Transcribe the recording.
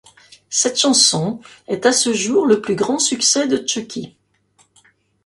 Cette chanson est à ce jour le plus grand succès de Chuckie.